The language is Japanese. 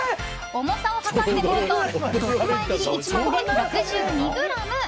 重さを量ってみると６枚切り１枚で６２ｇ。